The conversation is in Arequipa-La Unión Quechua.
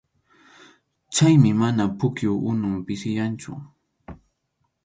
Chaymi mana pukyup unun pisiyanchu.